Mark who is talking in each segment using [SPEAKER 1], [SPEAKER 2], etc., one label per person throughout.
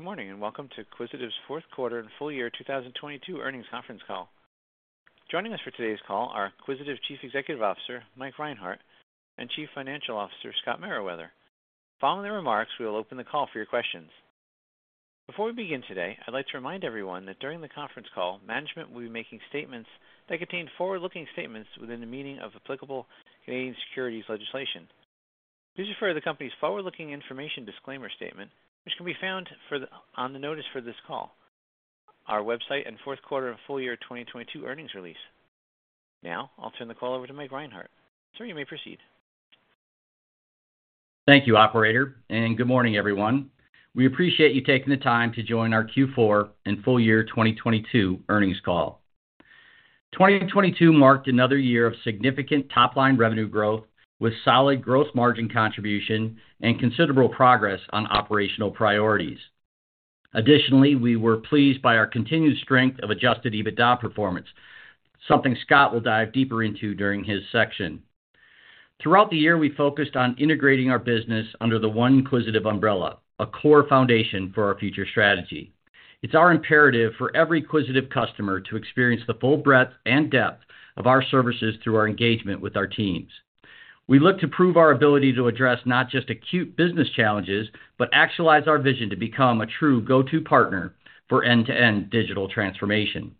[SPEAKER 1] Good morning, and welcome to Quisitive's Fourth Quarter and Full Year 2022 earnings conference call. Joining us for today's call are Quisitive Chief Executive Officer, Mike Reinhart, and Chief Financial Officer, Scott Meriwether. Following their remarks, we will open the call for your questions. Before we begin today, I'd like to remind everyone that during the conference call, management will be making statements that contain forward-looking statements within the meaning of applicable Canadian securities legislation. Please refer to the company's forward-looking information disclaimer statement, which can be found on the notice for this call, our website and fourth quarter and full year 2022 earnings release. I'll turn the call over to Mike Reinhart. Sir, you may proceed.
[SPEAKER 2] Thank you, operator, and good morning, everyone. We appreciate you taking the time to join our Q4 and full year 2022 earnings call. 2022 marked another year of significant top-line revenue growth with solid gross margin contribution and considerable progress on operational priorities. Additionally, we were pleased by our continued strength of Adjusted EBITDA performance, something Scott will dive deeper into during his section. Throughout the year, we focused on integrating our business under the One Quisitive umbrella, a core foundation for our future strategy. It's our imperative for every Quisitive customer to experience the full breadth and depth of our services through our engagement with our teams. We look to prove our ability to address not just acute business challenges, but actualize our vision to become a true go-to partner for end-to-end digital transformation.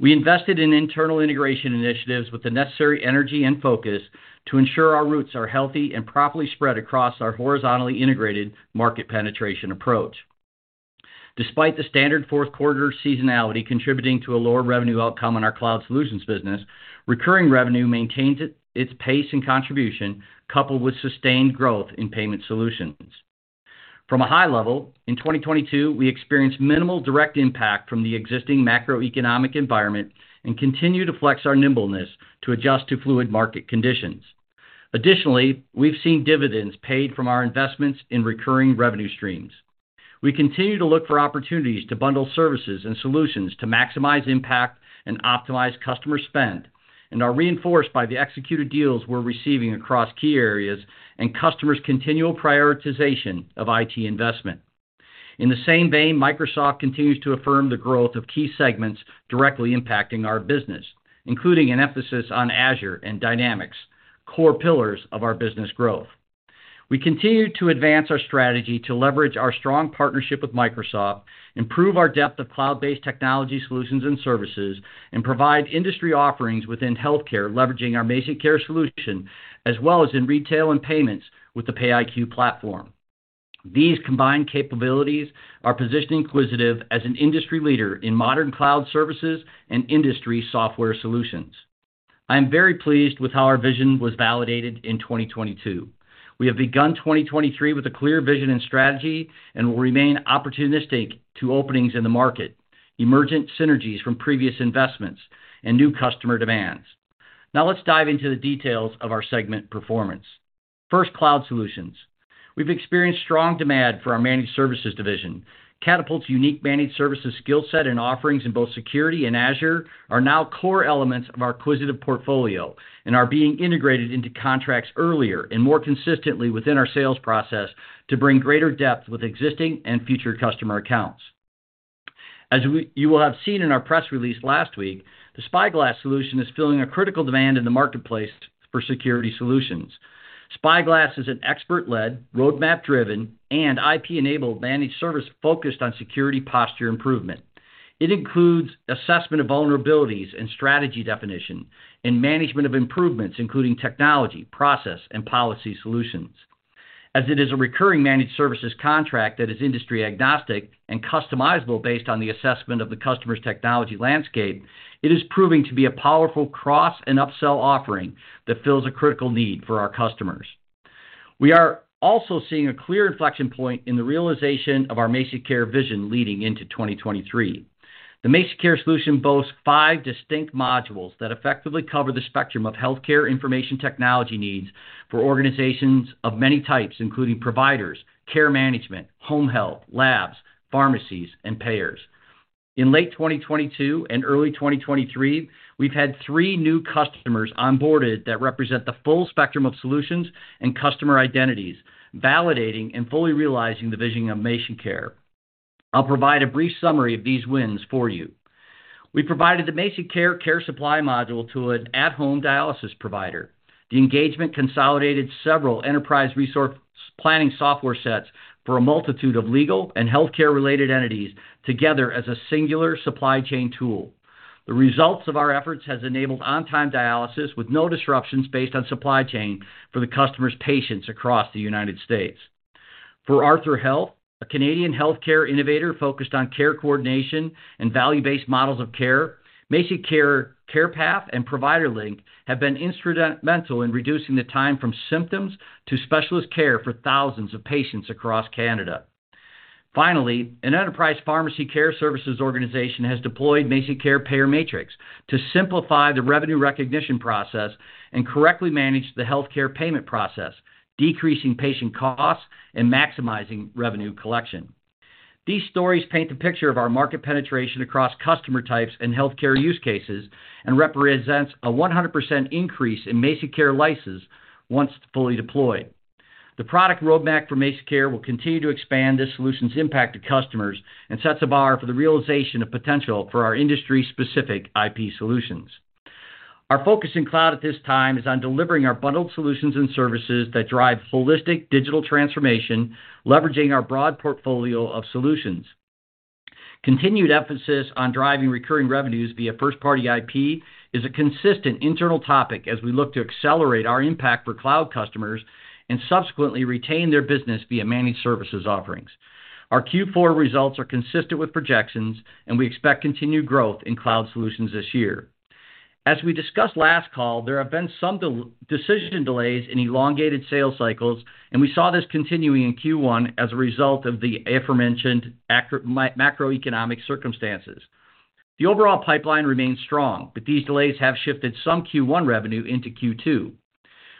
[SPEAKER 2] We invested in internal integration initiatives with the necessary energy and focus to ensure our roots are healthy and properly spread across our horizontally integrated market penetration approach. Despite the standard fourth quarter seasonality contributing to a lower revenue outcome in our cloud solutions business, recurring revenue maintains its pace and contribution coupled with sustained growth in Payment Solutions. From a high level, in 2022, we experienced minimal direct impact from the existing macroeconomic environment and continue to flex our nimbleness to adjust to fluid market conditions. Additionally, we've seen dividends paid from our investments in recurring revenue streams. We continue to look for opportunities to bundle services and solutions to maximize impact and optimize customer spend and are reinforced by the executed deals we're receiving across key areas and customers' continual prioritization of IT investment. In the same vein, Microsoft continues to affirm the growth of key segments directly impacting our business, including an emphasis on Azure and Dynamics, core pillars of our business growth. We continue to advance our strategy to leverage our strong partnership with Microsoft, improve our depth of cloud-based technology solutions and services, and provide industry offerings within Healthcare, leveraging our MazikCare solution, as well as in Retail and Payments with the PayiQ platform. These combined capabilities are positioning Quisitive as an industry leader in modern cloud services and industry software solutions. I am very pleased with how our vision was validated in 2022. We have begun 2023 with a clear vision and strategy and will remain opportunistic to openings in the market, emergent synergies from previous investments, and new customer demands. Let's dive into the details of our segment performance. First, cloud solutions. We've experienced strong demand for our Managed Services division. Catapult's unique managed services skill set and offerings in both security and Azure are now core elements of our Quisitive portfolio and are being integrated into contracts earlier and more consistently within our sales process to bring greater depth with existing and future customer accounts. You will have seen in our press release last week, the Spyglass solution is filling a critical demand in the marketplace for security solutions. Spyglass is an expert-led, roadmap-driven, and IP-enabled managed service focused on security posture improvement. It includes assessment of vulnerabilities and strategy definition and management of improvements, including technology, process, and policy solutions. As it is a recurring managed services contract that is industry-agnostic and customizable based on the assessment of the customer's technology landscape, it is proving to be a powerful cross and upsell offering that fills a critical need for our customers. We are also seeing a clear inflection point in the realization of our MazikCare vision leading into 2023. The MazikCare solution boasts 5 distinct modules that effectively cover the spectrum of healthcare information technology needs for organizations of many types, including providers, care management, home health, labs, pharmacies, and payers. In late 2022 and early 2023, we've had 3 new customers onboarded that represent the full spectrum of solutions and customer identities, validating and fully realizing the vision of MazikCare. I'll provide a brief summary of these wins for you. We provided the MazikCare Care Supply module to an at-home dialysis provider. The engagement consolidated several Enterprise Resource Planning software sets for a multitude of legal and healthcare-related entities together as a singular Supply Chain tool. The results of our efforts has enabled on-time dialysis with no disruptions based on supply chain for the customer's patients across the United States. For Arthur Health, a Canadian healthcare innovator focused on Care Coordination and Value-Based Models of Care, MazikCare CarePath and ProviderLink have been instrumental in reducing the time from symptoms to specialist care for thousands of patients across Canada. Finally, an enterprise pharmacy care services organization has deployed MazikCare PayerMatrix to simplify the Revenue Recognition process and correctly manage the healthcare payment process, decreasing patient costs and maximizing revenue collection. These stories paint the picture of our market penetration across customer types and healthcare use cases and represents a 100% increase in MazikCare licenses once fully deployed. The product roadmap for MazikCare will continue to expand this solution's impact to customers and sets a bar for the realization of potential for our industry-specific IP solutions. Our focus in cloud at this time is on delivering our bundled solutions and services that drive holistic digital transformation, leveraging our broad portfolio of solutions. Continued emphasis on driving recurring revenues via first-party IP is a consistent internal topic as we look to accelerate our impact for cloud customers and subsequently retain their business via managed services offerings. Our Q4 results are consistent with projections, and we expect continued growth in cloud solutions this year. As we discussed last call, there have been some decision delays in elongated sales cycles, and we saw this continuing in Q1 as a result of the aforementioned macroeconomic circumstances. The overall pipeline remains strong, but these delays have shifted some Q1 revenue into Q2.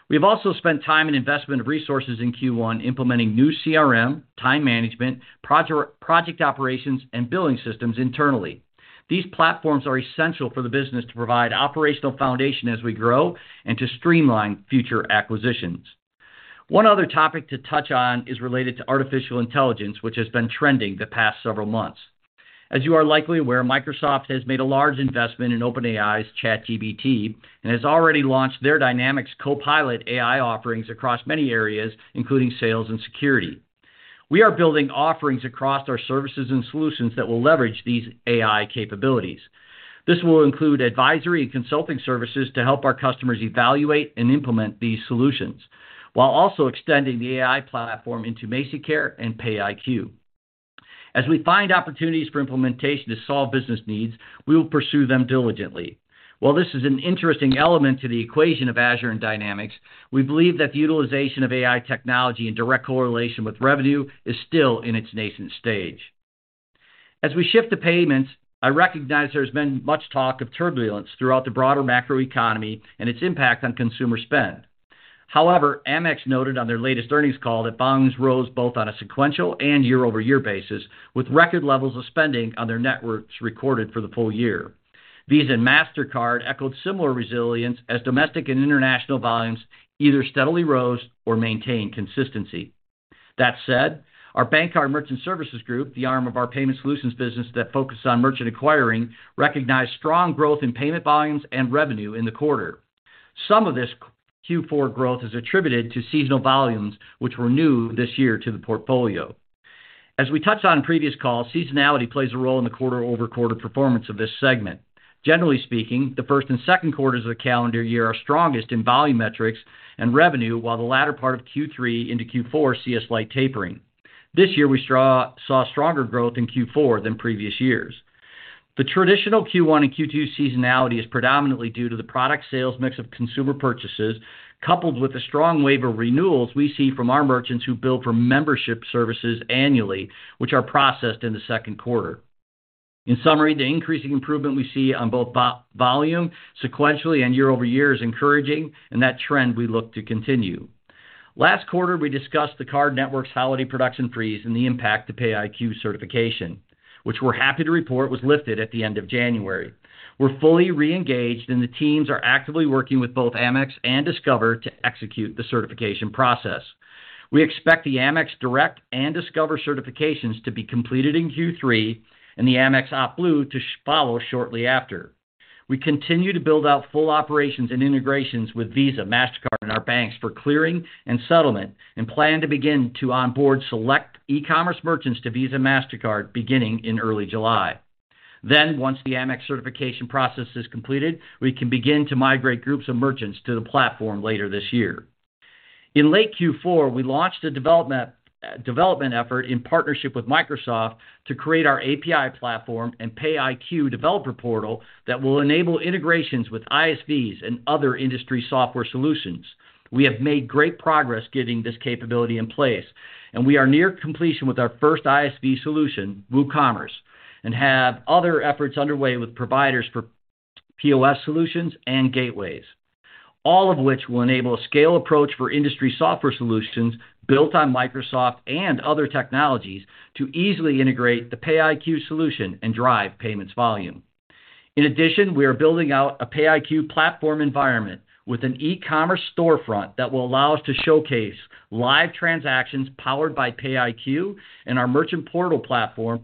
[SPEAKER 2] We have also spent time and investment of resources in Q1 implementing new CRM, time management, project operations, and billing systems internally. These platforms are essential for the business to provide operational foundation as we grow and to streamline future acquisitions. One other topic to touch on is related to Artificial Intelligence, which has been trending the past several months. As you are likely aware, Microsoft has made a large investment in OpenAI's ChatGPT and has already launched their Dynamics Copilot AI offerings across many areas, including sales and security. We are building offerings across our services and solutions that will leverage these AI capabilities. This will include advisory and consulting services to help our customers evaluate and implement these solutions, while also extending the AI platform into MazikCare and PayiQ. As we find opportunities for implementation to solve business needs, we will pursue them diligently. While this is an interesting element to the equation of Azure and Dynamics, we believe that the utilization of AI technology in direct correlation with revenue is still in its nascent stage. As we shift to Payments, I recognize there's been much talk of turbulence throughout the broader macroeconomy and its impact on consumer spend. However, Amex noted on their latest earnings call that volumes rose both on a sequential and year-over-year basis, with record levels of spending on their networks recorded for the full year. Visa and Mastercard echoed similar resilience as domestic and international volumes either steadily rose or maintained consistency. That said, our BankCard Merchant Services group, the arm of our payment solutions business that focuses on Merchant Acquiring, recognized strong growth in payment volumes and revenue in the quarter. Some of this Q4 growth is attributed to seasonal volumes, which were new this year to the portfolio. As we touched on in previous calls, seasonality plays a role in the quarter-over-quarter performance of this segment. Generally speaking, the first and second quarters of the calendar year are strongest in volume metrics and revenue, while the latter part of Q3 into Q4 see a slight tapering. This year, we saw stronger growth in Q4 than previous years. The traditional Q1 and Q2 seasonality is predominantly due to the product sales mix of consumer purchases, coupled with the strong wave of renewals we see from our merchants who bill for membership services annually, which are processed in the second quarter. In summary, the increasing improvement we see on both volume sequentially and year-over-year is encouraging, and that trend we look to continue. Last quarter, we discussed the card network's holiday production freeze and the impact to PayiQ certification, which we're happy to report was lifted at the end of January. We're fully re-engaged, and the teams are actively working with both Amex and Discover to execute the certification process. We expect the Amex direct and Discover certifications to be completed in Q3 and the Amex OptBlue to follow shortly after. We continue to build out full operations and integrations with Visa, Mastercard, and our banks for clearing and settlement and plan to begin to onboard select e-commerce merchants to Visa Mastercard beginning in early July. Once the Amex certification process is completed, we can begin to migrate groups of merchants to the platform later this year. In late Q4, we launched a development effort in partnership with Microsoft to create our API platform and PayiQ Developer Portal that will enable integrations with ISVs and other industry software solutions. We have made great progress getting this capability in place. We are near completion with our first ISV solution, WooCommerce, and have other efforts underway with providers for POS solutions and gateways, all of which will enable a scale approach for industry software solutions built on Microsoft and other technologies to easily integrate the PayiQ solution and drive payments volume. In addition, we are building out a PayiQ platform environment with an e-commerce storefront that will allow us to showcase live transactions powered by PayiQ and our merchant portal platform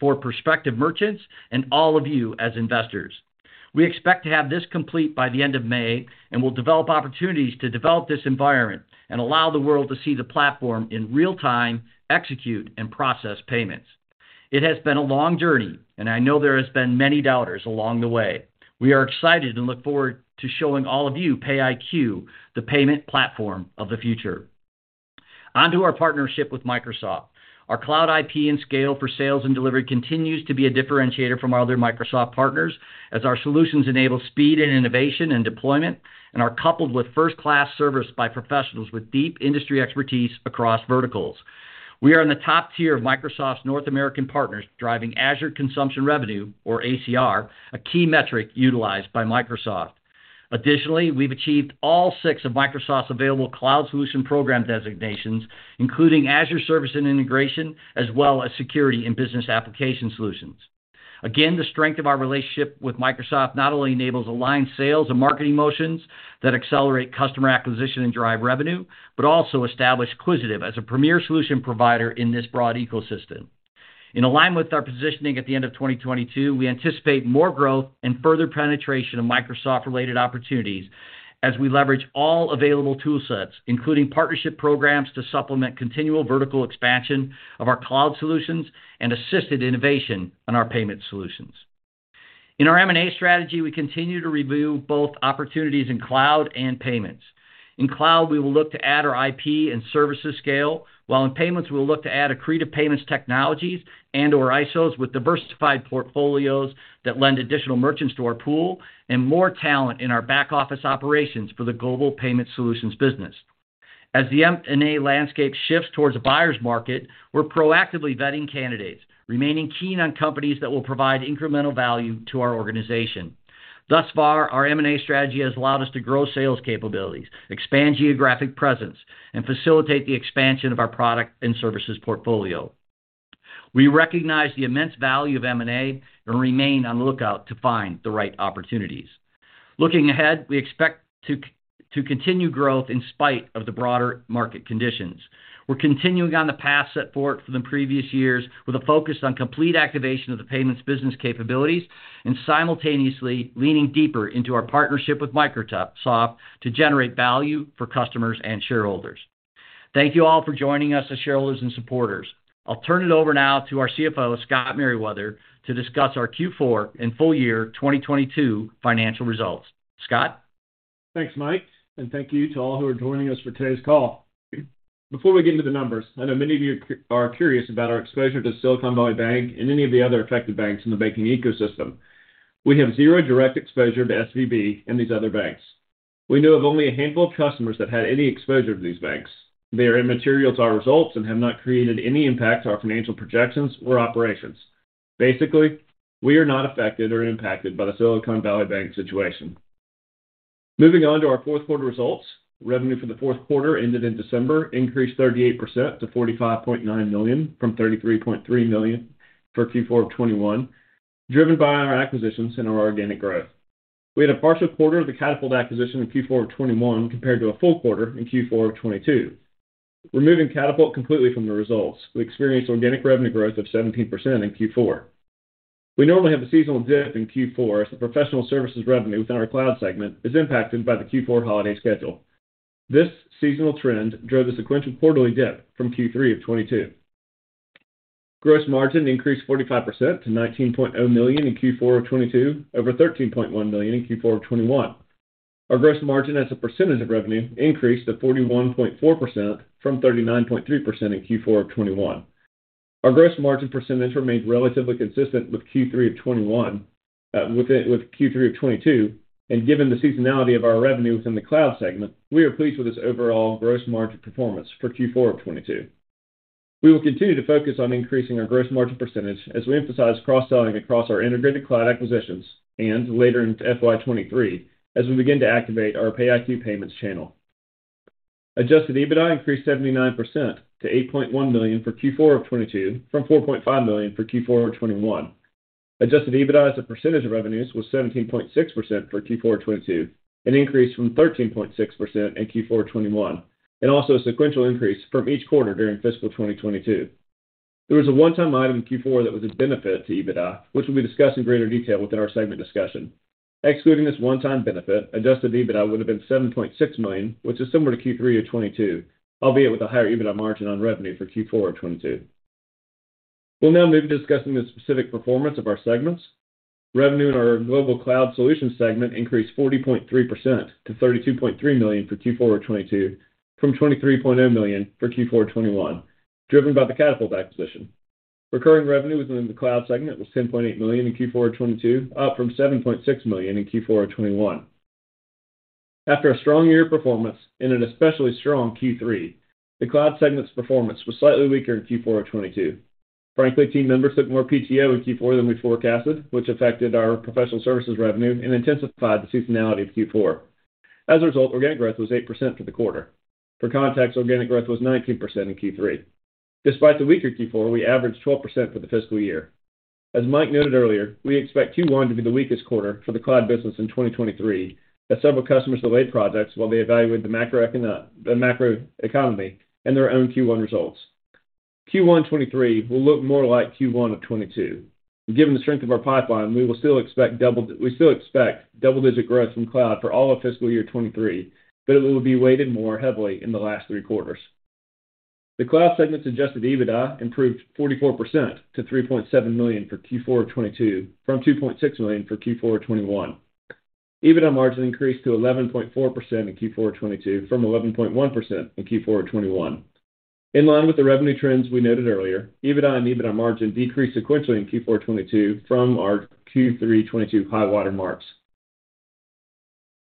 [SPEAKER 2] for prospective merchants and all of you as investors. We expect to have this complete by the end of May and will develop opportunities to develop this environment and allow the world to see the platform in real time, execute, and process payments. It has been a long journey, and I know there has been many doubters along the way. We are excited and look forward to showing all of you PayiQ, the payment platform of the future. On to our partnership with Microsoft. Our cloud IP and scale for sales and delivery continues to be a differentiator from our other Microsoft partners as our solutions enable speed and innovation and deployment and are coupled with first-class service by professionals with deep industry expertise across verticals. We are in the top tier of Microsoft's North American partners driving Azure Consumption Revenue, or ACR, a key metric utilized by Microsoft. Additionally, we've achieved all six of Microsoft's available Cloud Solution Provider program designations, including Azure Service and Integration, as well as Security and Business Application solutions. The strength of our relationship with Microsoft not only enables aligned sales and marketing motions that accelerate customer acquisition and drive revenue, but also establish Quisitive as a premier solution provider in this broad ecosystem. In alignment with our positioning at the end of 2022, we anticipate more growth and further penetration of Microsoft-related opportunities as we leverage all available tool sets, including partnership programs to supplement continual vertical expansion of our Cloud Solutions and assisted innovation on our Payment Solutions. In our M&A strategy, we continue to review both opportunities in cloud and payments. In cloud, we will look to add our IP and services scale, while in payments, we'll look to add accretive payments technologies and/or ISOs with diversified portfolios that lend additional merchants to our pool and more talent in our back-office operations for the global payment solutions business. As the M&A landscape shifts towards a buyer's market, we're proactively vetting candidates, remaining keen on companies that will provide incremental value to our organization. Thus far, our M&A strategy has allowed us to grow sales capabilities, expand geographic presence, and facilitate the expansion of our product and services portfolio. We recognize the immense value of M&A and remain on the lookout to find the right opportunities. Looking ahead, we expect to continue growth in spite of the broader market conditions. We're continuing on the path set forth for the previous years with a focus on complete activation of the payments business capabilities and simultaneously leaning deeper into our partnership with Microsoft to generate value for customers and shareholders. Thank you all for joining us as shareholders and supporters. I'll turn it over now to our CFO, Scott Meriwether, to discuss our Q4 and full year 2022 financial results. Scott?
[SPEAKER 3] Thanks, Mike, and thank you to all who are joining us for today's call. Before we get into the numbers, I know many of you are curious about our exposure to Silicon Valley Bank and any of the other affected banks in the banking ecosystem. We have 0 direct exposure to SVB and these other banks. We know of only a handful of customers that had any exposure to these banks. They are immaterial to our results and have not created any impact to our financial projections or operations. Basically, we are not affected or impacted by the Silicon Valley Bank situation. Moving on to our fourth quarter results, revenue for the fourth quarter ended in December increased 38% to $45.9 million from $33.3 million for Q4 of 2021, driven by our acquisitions and our organic growth. We had a partial quarter of the Catapult acquisition in Q4 of 2021 compared to a full quarter in Q4 of 2022. Removing Catapult completely from the results, we experienced organic revenue growth of 17% in Q4. We normally have a seasonal dip in Q4 as the professional services revenue within our cloud segment is impacted by the Q4 holiday schedule. This seasonal trend drove the sequential quarterly dip from Q3 of 2022. Gross margin increased 45% to $19.0 million in Q4 of 2022 over $13.1 million in Q4 of 2021. Our gross margin as a percentage of revenue increased to 41.4% from 39.3% in Q4 of 2021. Our gross margin percentage remained relatively consistent with Q3 of 2021, with Q3 of 2022. Given the seasonality of our revenue within the cloud segment, we are pleased with this overall gross margin performance for Q4 of 2022. We will continue to focus on increasing our gross margin percentage as we emphasize cross-selling across our integrated cloud acquisitions and later into FY 2023 as we begin to activate our PayiQ payments channel. Adjusted EBITDA increased 79% to $8.1 million for Q4 of 2022 from $4.5 million for Q4 of 2021. Adjusted EBITDA as a percentage of revenues was 17.6% for Q4 of 2022, an increase from 13.6% in Q4 of 2021. Also a sequential increase from each quarter during fiscal 2022. There was a one-time item in Q4 that was a benefit to EBITDA, which we'll be discussing greater detail within our segment discussion. Excluding this one-time benefit, adjusted EBITDA would have been $7.6 million, which is similar to Q3 of 2022, albeit with a higher EBITDA margin on revenue for Q4 of 2022. We'll now move to discussing the specific performance of our segments. Revenue in our global cloud solutions segment increased 40.3% to $32.3 million for Q4 of 2022 from $23.0 million for Q4 of 2021, driven by the Catapult acquisition. Recurring revenue within the cloud segment was $10.8 million in Q4 of 2022, up from $7.6 million in Q4 of 2021. After a strong year performance and an especially strong Q3, the cloud segment's performance was slightly weaker in Q4 of 2022. Frankly, team members took more PTO in Q4 than we forecasted, which affected our professional services revenue and intensified the seasonality of Q4. As a result, organic growth was 8% for the quarter. For context, organic growth was 19% in Q3. Despite the weaker Q4, we averaged 12% for the fiscal year. As Mike noted earlier, we expect Q1 to be the weakest quarter for the cloud business in 2023 as several customers delayed projects while they evaluate the macroeconomy and their own Q1 results. Q1 2023 will look more like Q1 of 2022. Given the strength of our pipeline, we still expect double-digit growth from Cloud for all of fiscal year 2023, it will be weighted more heavily in the last three quarters. The Cloud segment's adjusted EBITDA improved 44% to $3.7 million for Q4 2022 from $2.6 million for Q4 2021. EBITDA margin increased to 11.4% in Q4 2022 from 11.1% in Q4 2021. In line with the revenue trends we noted earlier, EBITDA and EBITDA margin decreased sequentially in Q4 2022 from our Q3 2022 high water marks.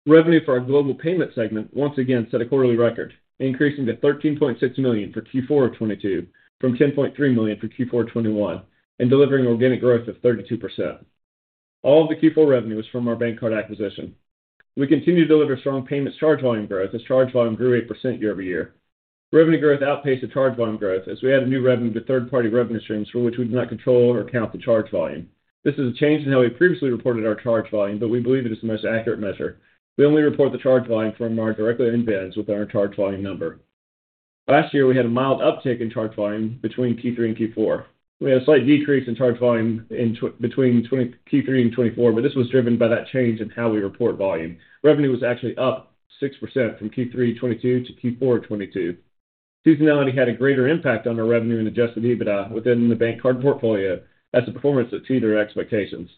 [SPEAKER 3] Revenue for our global payment segment once again set a quarterly record, increasing to $13.6 million for Q4 of 2022 from $10.3 million for Q4 of 2021 and delivering organic growth of 32%. All of the Q4 revenue is from our BankCard acquisition. We continue to deliver strong payments charge volume growth as charge volume grew 8% year-over-year. Revenue growth outpaced the charge volume growth as we added new revenue to third-party revenue streams for which we do not control or count the charge volume. This is a change in how we previously reported our charge volume, but we believe it is the most accurate measure. We only report the charge volume from our direct on-boards within our charge volume number. Last year, we had a mild uptick in charge volume between Q3 and Q4. We had a slight decrease in charge volume between Q3 and Q4. This was driven by that change in how we report volume. Revenue was actually up 6% from Q3 2022 to Q4 2022. Seasonality had a greater impact on our revenue and adjusted EBITDA within the BankCard portfolio as the performance exceeded our expectations.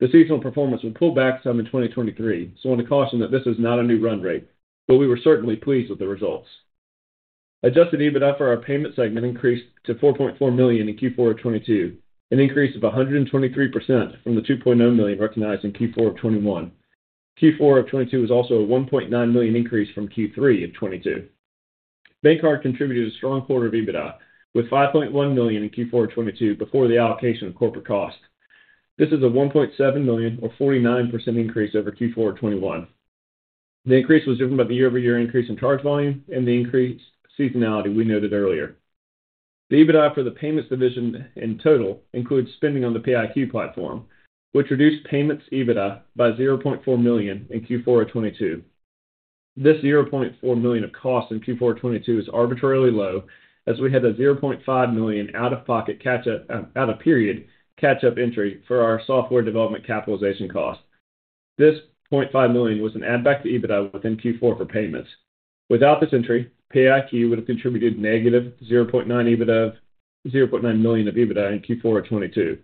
[SPEAKER 3] The seasonal performance will pull back some in 2023. I want to caution that this is not a new run rate. We were certainly pleased with the results. Adjusted EBITDA for our payment segment increased to $4.4 million in Q4 2022, an increase of 123% from the $2.0 million recognized in Q4 2021. Q4 2022 was also a $1.9 million increase from Q3 2022. BankCard contributed a strong quarter of EBITDA, with $5.1 million in Q4 2022 before the allocation of corporate costs. This is a $1.7 million or 49% increase over Q4 2021. The increase was driven by the year-over-year increase in charge volume and the increased seasonality we noted earlier. The EBITDA for the payments division in total includes spending on the PayiQ platform, which reduced payments EBITDA by $0.4 million in Q4 2022. This $0.4 million of cost in Q4 2022 is arbitrarily low as we had a $0.5 million out-of-period catch-up entry for our software development capitalization cost. This $0.5 million was an add-back to EBITDA within Q4 for payments. Without this entry, PayiQ would have contributed negative $0.9 million of EBITDA in Q4 of 2022.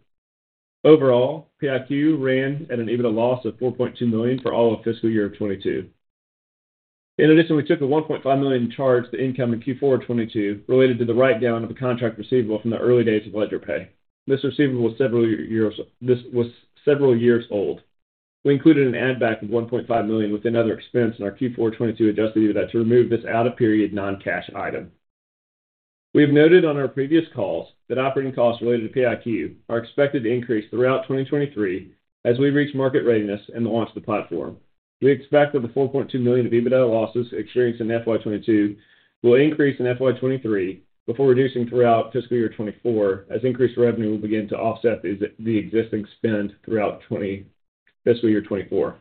[SPEAKER 3] Overall, PayiQ ran at an EBITDA loss of $4.2 million for all of fiscal year of 2022. We took a $1.5 million charge to income in Q4 of 2022 related to the write-down of a contract receivable from the early days of LedgerPay. This receivable was several years old. We included an add back of $1.5 million with another expense in our Q4 2022 adjusted EBITDA to remove this out-of-period non-cash item. We have noted on our previous calls that operating costs related to PayiQ are expected to increase throughout 2023 as we reach market readiness and the launch of the platform. We expect that the $4.2 million of EBITDA losses experienced in FY 2022 will increase in FY 2023 before reducing throughout fiscal year 2024 as increased revenue will begin to offset the existing spend throughout fiscal year 2024.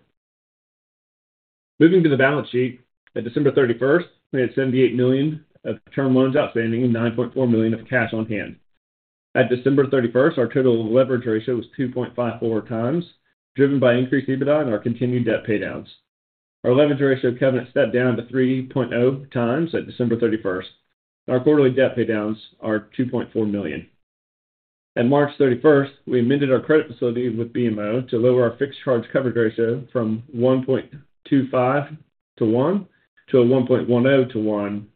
[SPEAKER 3] Moving to the balance sheet, at December 31st, we had $78 million of term loans outstanding and $9.4 million of cash on hand. At December 31st, our total leverage ratio was 2.54 times, driven by increased EBITDA and our continued debt paydowns. Our leverage ratio covenant stepped down to 3.0 times at December 31st, and our quarterly debt paydowns are $2.4 million. At March 31st, we amended our credit facility with BMO to lower our fixed charge coverage ratio from 1.25 to 1 to a 1.10 to 1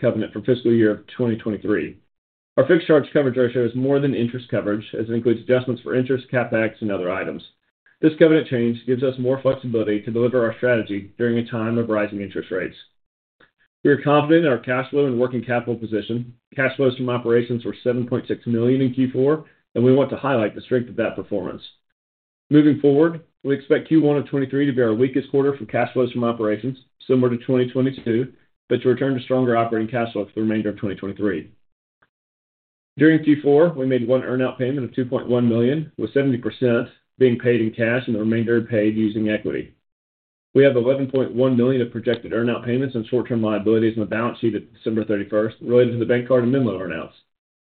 [SPEAKER 3] covenant for fiscal year 2023. Our fixed charge coverage ratio is more than interest coverage as it includes adjustments for interest, CapEx, and other items. This covenant change gives us more flexibility to deliver our strategy during a time of rising interest rates. We are confident in our cash flow and working capital position. Cash flows from operations were $7.6 million in Q4. We want to highlight the strength of that performance. Moving forward, we expect Q1 2023 to be our weakest quarter for cash flows from operations, similar to 2022, but to return to stronger operating cash flow for the remainder of 2023. During Q4, we made 1 earn-out payment of $2.1 million, with 70% being paid in cash and the remainder paid using equity. We have $11.1 million of projected earn-out payments and short-term liabilities on the balance sheet at December 31st related to the BankCard and Menlo earn-outs.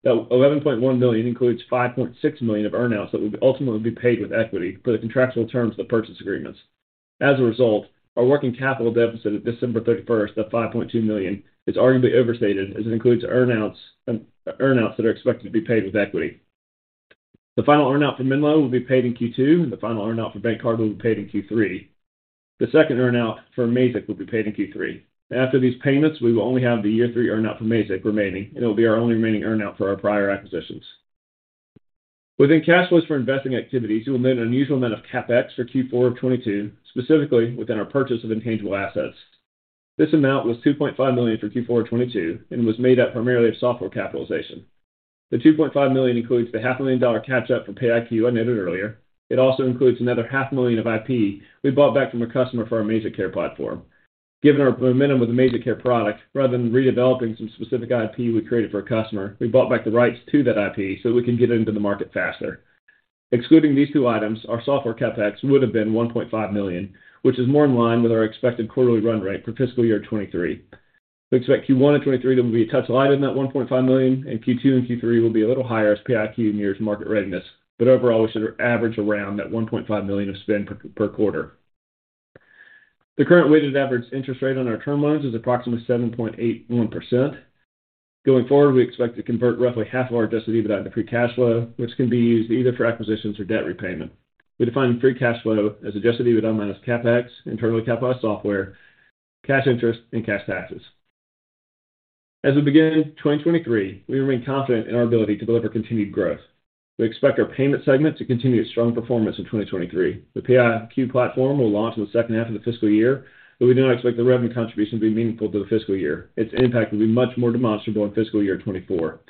[SPEAKER 3] That $11.1 million includes $5.6 million of earn-outs that will ultimately be paid with equity per the contractual terms of the purchase agreements. As a result, our working capital deficit at December 31st of $5.2 million is arguably overstated as it includes earn-outs that are expected to be paid with equity. The final earn-out for Menlo will be paid in Q2, and the final earn-out for BankCard will be paid in Q3. The second earn-out for Mazik will be paid in Q3. After these payments, we will only have the year 3 earn-out for Mazik remaining, and it will be our only remaining earn-out for our prior acquisitions. Within cash flows for investing activities, you'll note an unusual amount of CapEx for Q4 of 2022, specifically within our purchase of intangible assets. This amount was $2.5 million for Q4 of 2022 and was made up primarily of software capitalization. The $2.5 million includes the half-a-million-dollar catch-up for PayiQ I noted earlier. It also includes another half million of IP we bought back from a customer for our MazikCare platform. Given our momentum with the MazikCare product, rather than redeveloping some specific IP we created for a customer, we bought back the rights to that IP so we can get it into the market faster. Excluding these two items, our software CapEx would have been $1.5 million, which is more in line with our expected quarterly run rate for fiscal year 2023. We expect Q1 of 2023 there will be a touch light in that $1.5 million, and Q2 and Q3 will be a little higher as PayiQ nears market readiness. Overall, we should average around that $1.5 million of spend per quarter. The current weighted average interest rate on our term loans is approximately 7.81%. Going forward, we expect to convert roughly half of our adjusted EBITDA into free cash flow, which can be used either for acquisitions or debt repayment. We define free cash flow as adjusted EBITDA minus CapEx, internally capitalized software, cash interest, and cash taxes. As we begin 2023, we remain confident in our ability to deliver continued growth. We expect our payment segment to continue its strong performance in 2023. The PayiQ platform will launch in the second half of the fiscal year, but we do not expect the revenue contribution to be meaningful to the fiscal year. Its impact will be much more demonstrable in fiscal year 2024.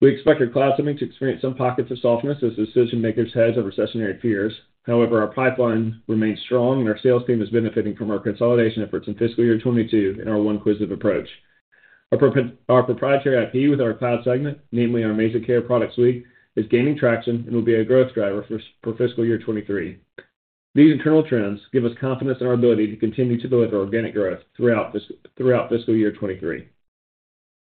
[SPEAKER 3] We expect our cloud segment to experience some pockets of softness as decision-makers hedge of recessionary fears. However, our pipeline remains strong and our sales team is benefiting from our consolidation efforts in fiscal year 2022 and our one Quisitive approach. Our proprietary IP with our cloud segment, namely our MazikCare product suite, is gaining traction and will be a growth driver for fiscal year 2023. These internal trends give us confidence in our ability to continue to deliver organic growth throughout fiscal year 2023.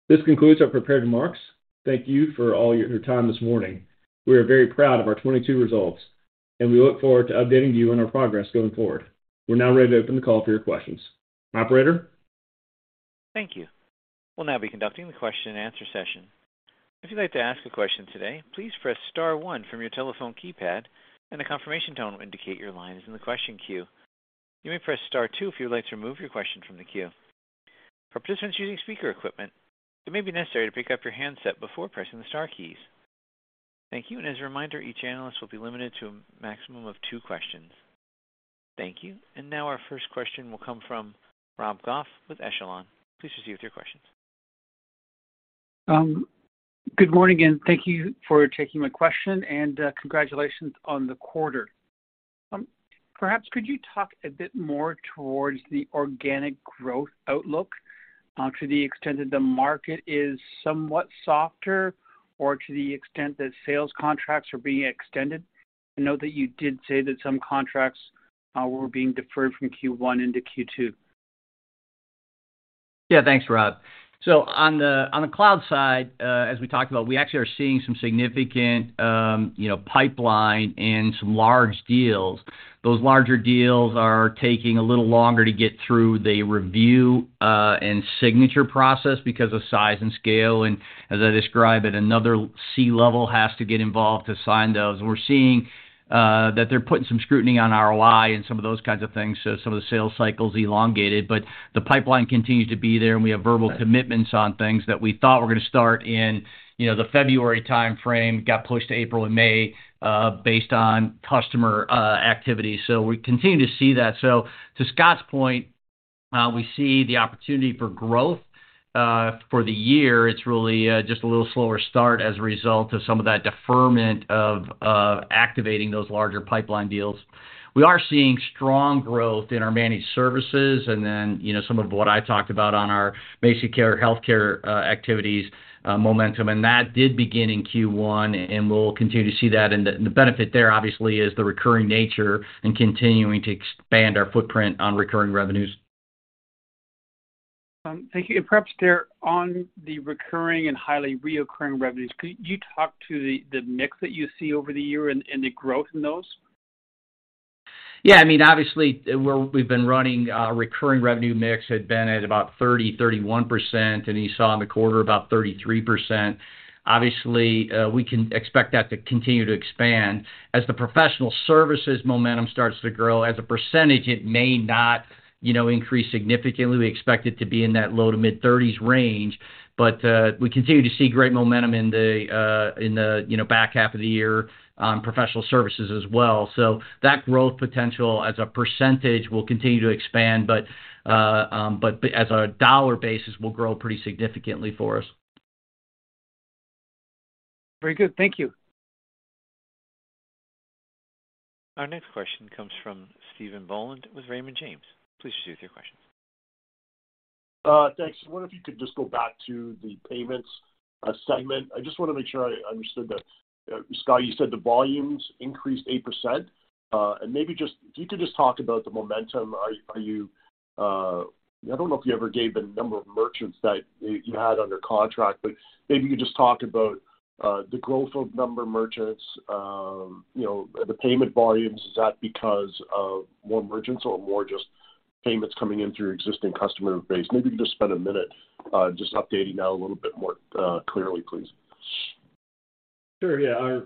[SPEAKER 3] This concludes our prepared remarks. Thank you for all your time this morning. We are very proud of our 22 results, and we look forward to updating you on our progress going forward. We're now ready to open the call for your questions. Operator?
[SPEAKER 1] Thank you. We'll now be conducting the question-and-answer session. If you'd like to ask a question today, please press star one from your telephone keypad, and a confirmation tone will indicate your line is in the question queue. You may press star two if you would like to remove your question from the queue. For participants using speaker equipment, it may be necessary to pick up your handset before pressing the star keys. Thank you. As a reminder, each analyst will be limited to a maximum of 2 questions. Thank you. Now our first question will come from Rob Goff with Echelon. Please proceed with your questions.
[SPEAKER 4] Good morning, Thank you for taking my question, and congratulations on the quarter. Perhaps could you talk a bit more towards the organic growth outlook, to the extent that the market is somewhat softer or to the extent that sales contracts are being extended? I know that you did say that some contracts were being deferred from Q1 into Q2.
[SPEAKER 2] Thanks, Rob. On the cloud side, as we talked about, we actually are seeing some significant, you know, pipeline and some large deals. Those larger deals are taking a little longer to get through the review and signature process because of size and scale. As I described it, another C-level has to get involved to sign those. We're seeing that they're putting some scrutiny on ROI and some of those kinds of things, so some of the sales cycle is elongated. The pipeline continues to be there, and we have verbal commitments on things that we thought were gonna start in, you know, the February timeframe, got pushed to April and May, based on customer activity. We continue to see that. To Scott's point, we see the opportunity for growth for the year. It's really just a little slower start as a result of some of that deferment of activating those larger pipeline deals. We are seeing strong growth in our managed services and then, you know, some of what I talked about on our MazikCare healthcare activities, momentum. That did begin in Q1, and we'll continue to see that. The benefit there obviously is the recurring nature and continuing to expand our footprint on recurring revenues.
[SPEAKER 4] Thank you. Perhaps there on the recurring and highly reoccurring revenues, could you talk to the mix that you see over the year and the growth in those?
[SPEAKER 2] Yeah. I mean, obviously we've been running, recurring revenue mix had been at about 30-31%, you saw in the quarter about 33%. Obviously, we can expect that to continue to expand. As the professional services momentum starts to grow, as a percentage it may not, you know, increase significantly. We expect it to be in that low to mid-30s range. We continue to see great momentum in the, in the, you know, back half of the year on professional services as well. That growth potential as a percentage will continue to expand, but as a dollar basis will grow pretty significantly for us.
[SPEAKER 4] Very good. Thank you.
[SPEAKER 1] Our next question comes from Stephen Boland with Raymond James. Please proceed with your question.
[SPEAKER 5] Thanks. I wonder if you could just go back to the payments segment. I just wanna make sure I understood that. Scott, you said the volumes increased 8%. Maybe just if you could just talk about the momentum. Are you I don't know if you ever gave a number of merchants that you had under contract, but maybe you could just talk about the growth of number of merchants, you know, the payment volumes. Is that because of more merchants or more just payments coming in through your existing customer base? Maybe you could just spend a minute, just updating that a little bit more clearly please.
[SPEAKER 3] Sure, yeah.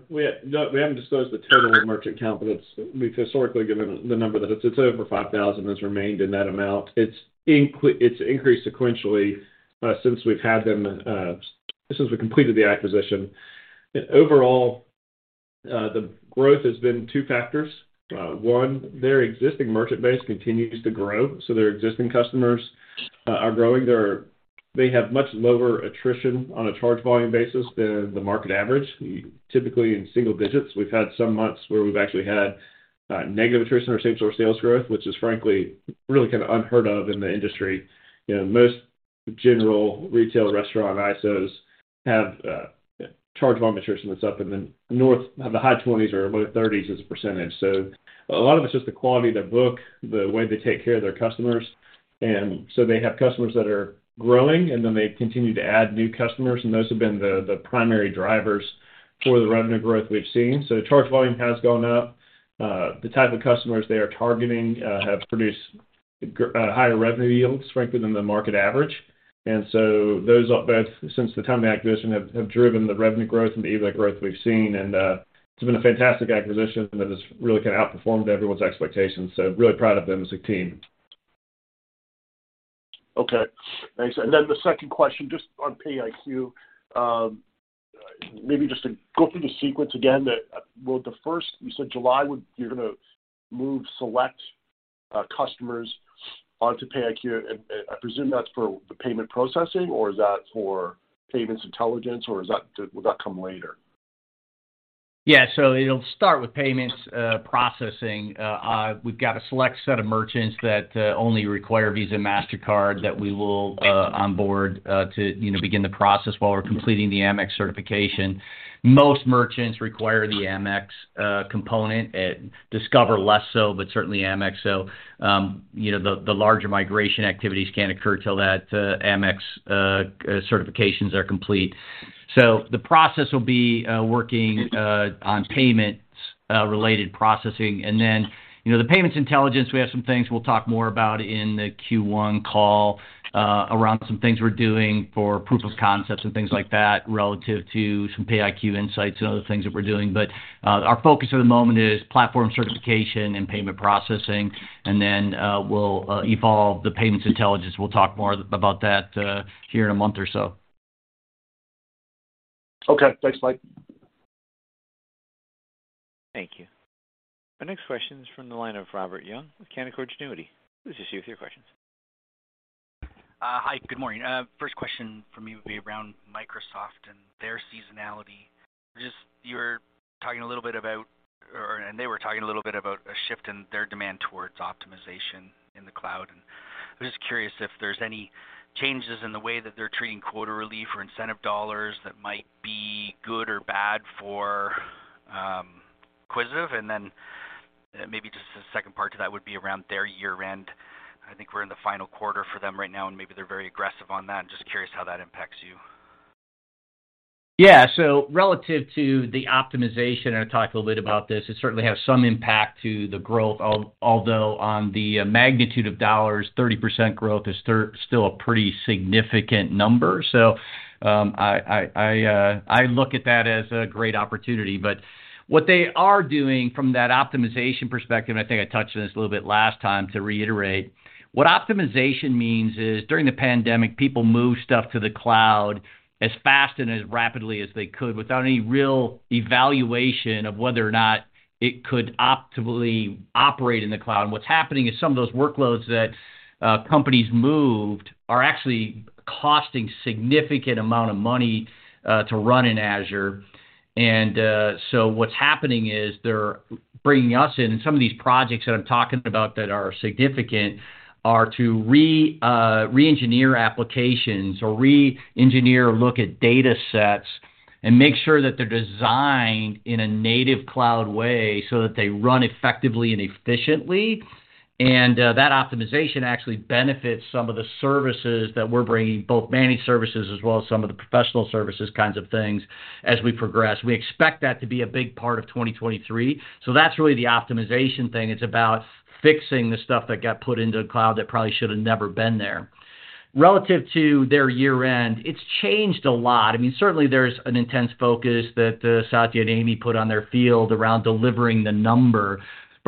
[SPEAKER 3] No, we haven't disclosed the total merchant count, but we've historically given the number that it's over 5,000, has remained in that amount. It's increased sequentially since we've had them since we completed the acquisition. Overall, the growth has been 2 factors. One, their existing merchant base continues to grow, so their existing customers are growing. They have much lower attrition on a charge volume basis than the market average, typically in single digits. We've had some months where we've actually had negative attrition or same-store sales growth, which is frankly really kind of unheard of in the industry. You know, most general retail restaurant ISOs have charge volume attrition that's up in the north of the high 20s or low 30s as a percentage. A lot of it's just the quality of the book, the way they take care of their customers. They have customers that are growing, and then they continue to add new customers, and those have been the primary drivers for the revenue growth we've seen. Charge volume has gone up. The type of customers they are targeting, have produced higher revenue yields frankly than the market average. Those are both since the time of the acquisition have driven the revenue growth and the EBIT growth we've seen. It's been a fantastic acquisition that has really kind of outperformed everyone's expectations, so really proud of them as a team.
[SPEAKER 5] Okay. Thanks. Then the second question, just on PayiQ. Maybe just to go through the sequence again, well, the first you said July you're gonna move select customers onto PayiQ. And I presume that's for the payment processing, or is that for payments intelligence, or is that will that come later?
[SPEAKER 2] Yeah. It'll start with payments, processing. We've got a select set of merchants that only require Visa, Mastercard that we will onboard, you know, to begin the process while we're completing the Amex certification. Most merchants require the Amex component. Discover less so, but certainly Amex. You know, the larger migration activities can't occur till that Amex certifications are complete. The process will be working on payments related processing. Then, you know, the payments intelligence, we have some things we'll talk more about in the Q1 call, around some things we're doing for proof of concepts and things like that relative to some PayiQ insights and other things that we're doing. Our focus at the moment is platform certification and payment processing. we'll evolve the payments intelligence. We'll talk more about that here in a month or so.
[SPEAKER 5] Okay. Thanks, Mike.
[SPEAKER 1] Thank you. Our next question is from the line of Robert Young with Canaccord Genuity. This is you with your questions.
[SPEAKER 6] Hi, good morning. First question from me would be around Microsoft and their seasonality. Just you were talking a little bit about, and they were talking a little bit about a shift in their demand towards optimization in the cloud. I'm just curious if there's any changes in the way that they're treating quota relief or incentive dollars that might be good or bad for Quisitive. Then maybe just the second part to that would be around their year-end. I think we're in the final quarter for them right now, and maybe they're very aggressive on that. I'm just curious how that impacts you.
[SPEAKER 2] Yeah. Relative to the optimization, I talked a little bit about this, it certainly has some impact to the growth. Although on the magnitude of dollars, 30% growth is still a pretty significant number. I look at that as a great opportunity. What they are doing from that optimization perspective, and I think I touched on this a little bit last time to reiterate, what optimization means is, during the pandemic, people moved stuff to the cloud as fast and as rapidly as they could without any real evaluation of whether or not it could optimally operate in the cloud. What's happening is some of those workloads that companies moved are actually costing significant amount of money to run in Azure. What's happening is they're bringing us in. Some of these projects that I'm talking about that are significant are to reengineer applications or reengineer or look at datasets and make sure that they're designed in a native cloud way so that they run effectively and efficiently. That optimization actually benefits some of the services that we're bringing, both managed services as well as some of the professional services kinds of things as we progress. We expect that to be a big part of 2023. That's really the optimization thing. It's about fixing the stuff that got put into the cloud that probably should have never been there. Relative to their year-end, it's changed a lot. I mean, certainly there's an intense focus that Satya and Amy put on their field around delivering the number.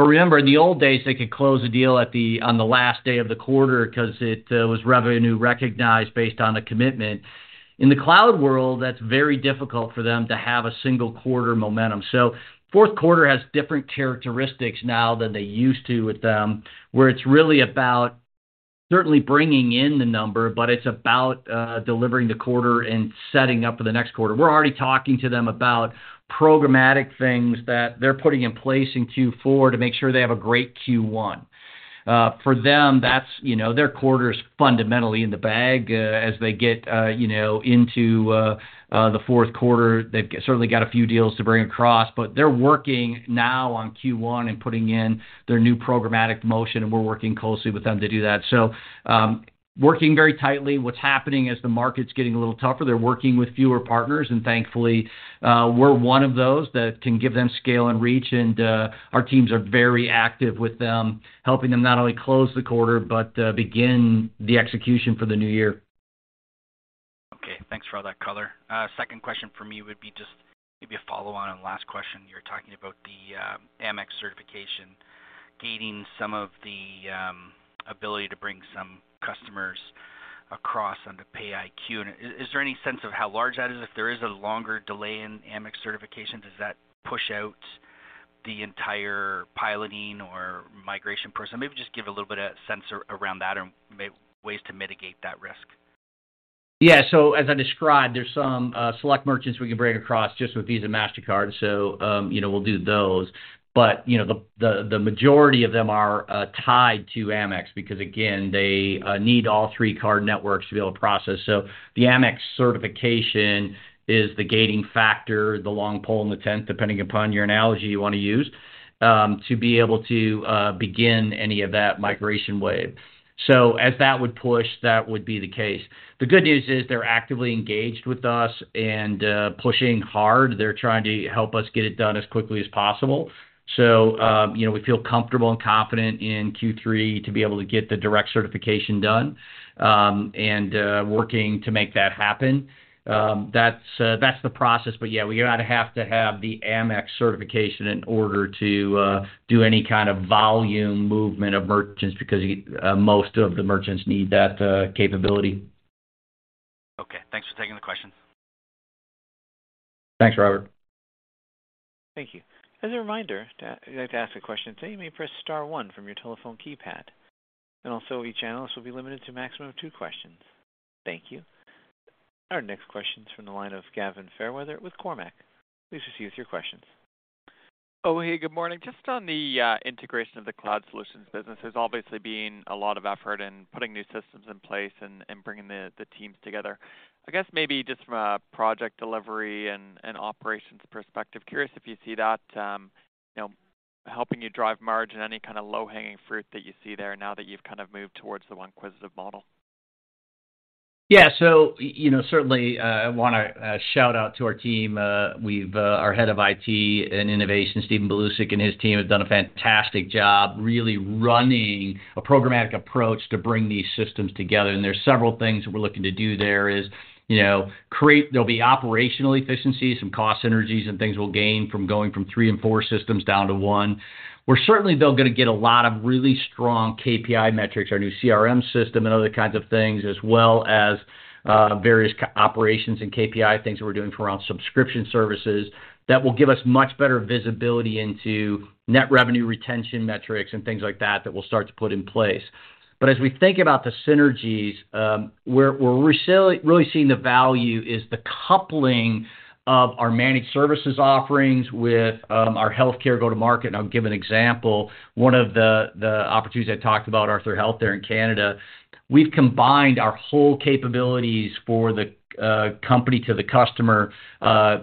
[SPEAKER 2] Remember, in the old days, they could close a deal on the last day of the quarter 'cause it was revenue recognized based on a commitment. In the cloud world, that's very difficult for them to have a single quarter momentum. Fourth quarter has different characteristics now than they used to with them, where it's really about certainly bringing in the number, but it's about delivering the quarter and setting up for the next quarter. We're already talking to them about programmatic things that they're putting in place in Q4 to make sure they have a great Q1. For them, that's, you know, their quarter is fundamentally in the bag, as they get, you know, into the fourth quarter. They've certainly got a few deals to bring across. They're working now on Q1 and putting in their new programmatic motion, and we're working closely with them to do that. Working very tightly. What's happening is the market's getting a little tougher. They're working with fewer partners, and thankfully, we're one of those that can give them scale and reach. Our teams are very active with them, helping them not only close the quarter but begin the execution for the new year.
[SPEAKER 6] Okay, thanks for all that color. second question from me would be just maybe a follow-on on the last question. You were talking about the Amex certification gating some of the ability to bring some customers across on the PayiQ. Is there any sense of how large that is? If there is a longer delay in Amex certification, does that push out the entire piloting or migration process? Maybe just give a little bit of sense around that or ways to mitigate that risk.
[SPEAKER 2] As I described, there's some select merchants we can bring across just with Visa, Mastercard. you know, we'll do those. you know, the, the majority of them are tied to Amex because, again, they need all 3 card networks to be able to process. The Amex certification is the gating factor, the long pole in the tent, depending upon your analogy you wanna use, to be able to begin any of that migration wave. As that would push, that would be the case. The good news is they're actively engaged with us and pushing hard. They're trying to help us get it done as quickly as possible. you know, we feel comfortable and confident in Q3 to be able to get the direct certification done and working to make that happen. That's the process. Yeah, we gotta have to have the Amex certification in order to do any kind of volume movement of merchants because most of the merchants need that capability. Thanks, Robert.
[SPEAKER 1] Thank you. As a reminder, if you'd like to ask a question, you may press star one from your telephone keypad. Also, each analyst will be limited to a maximum of 2 questions. Thank you. Our next question is from the line of Gavin Fairweather with Cormark. Please proceed with your questions.
[SPEAKER 7] Oh, hey, good morning. Just on the integration of the cloud solutions business, there's obviously been a lot of effort in putting new systems in place and bringing the teams together. I guess maybe just from a project delivery and operations perspective, curious if you see that, you know, helping you drive margin, any kind of low-hanging fruit that you see there now that you've kind of moved towards the one Quisitive model?
[SPEAKER 2] Yeah. You know, certainly, wanna shout out to our team. We've our head of IT and innovation, Steven Balusek, and his team have done a fantastic job really running a programmatic approach to bring these systems together. There's several things that we're looking to do there is, you know, create... There'll be operational efficiencies, some cost synergies and things we'll gain from going from three and four systems down to one. We're certainly, though, gonna get a lot of really strong KPI metrics, our new CRM system and other kinds of things, as well as various co-operations and KPI things that we're doing for our subscription services that will give us much better visibility into net revenue retention metrics and things like that we'll start to put in place. As we think about the synergies, where we're really seeing the value is the coupling of our managed services offerings with our healthcare go-to-market, and I'll give an example. One of the opportunities I talked about, Arthur Health there in Canada, we've combined our whole capabilities for the company to the customer.